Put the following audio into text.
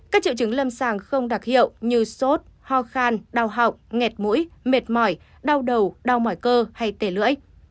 các triệu chứng lâm sàng không đặc hiệu như sốt ho khan đau họng nghẹt mũi mệt mỏi đau đầu đau mỏi cơ hay tề lưỡi